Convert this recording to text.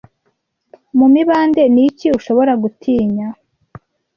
mu mibandeNi iki ushobora gutinya